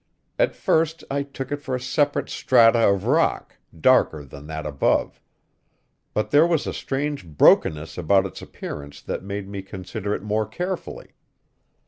At first I took it for a separate strata of rock, darker than that above. But there was a strange brokenness about its appearance that made me consider it more carefully.